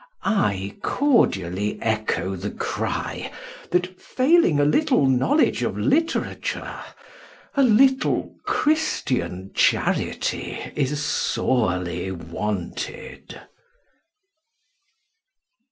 I cordially echo the cry that, failing a little knowledge of literature, a little Christian charity is sorely wanted."